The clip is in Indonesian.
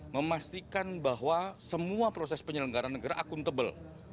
memastikan bahwa semua proses penyelenggaran negara akuntabel